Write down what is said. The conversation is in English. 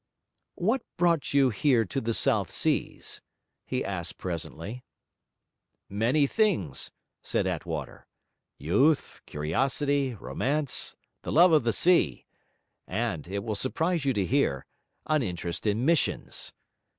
'What brought you here to the South Seas?' he asked presently. 'Many things,' said Attwater. 'Youth, curiosity, romance, the love of the sea, and (it will surprise you to hear) an interest in missions.